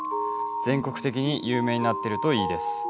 全国的に有名になっているといいです。